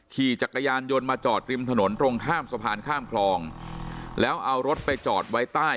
ขี่จักรยานยนต์มาจอดริมถนนตรงข้ามสะพานข้ามคลองแล้วเอารถไปจอดไว้ใต้